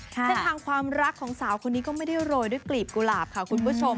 เส้นทางความรักของสาวคนนี้ก็ไม่ได้โรยด้วยกลีบกุหลาบค่ะคุณผู้ชม